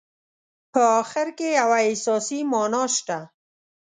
په اخر کې یوه احساسي معنا شته.